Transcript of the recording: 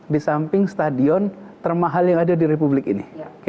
di samping stadion termahal yang ada di republik ini